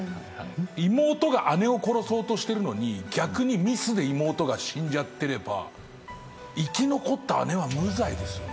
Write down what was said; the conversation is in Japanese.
妹が姉を殺そうとしてるのに逆にミスで妹が死んじゃってれば生き残った姉は無罪ですよね。